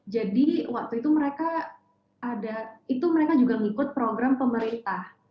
jadi waktu itu mereka ada itu mereka juga mengikut program pemerintah